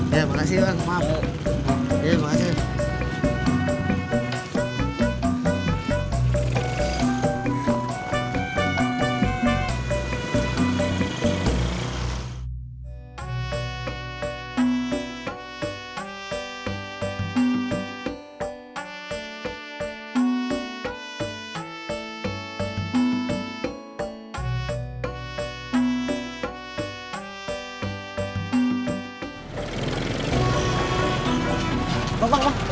ya makasih bang maaf